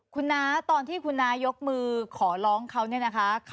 คุณน้าตอนที่คุณน้ายกมือขอร้องเขาเนี่ยนะคะ